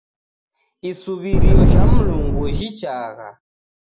Isuw'irio jha Mlungu jhichagha.